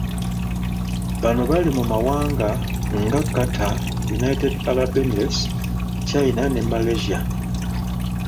Bano bali mu mawanga nga Qatar, United Arab Emirates, China ne Malaysia.